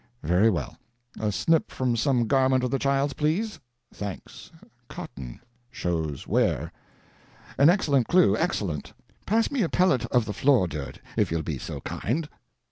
Very well. A snip from some garment of the child's, please. Thanks. Cotton. Shows wear. An excellent clue, excellent. Pass me a pallet of the floor dirt, if you'll be so kind.